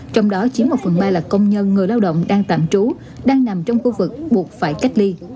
trong đó chiếm một phần ba là công nhân người lao động đang tạm trú đang nằm trong khu vực buộc phải cách ly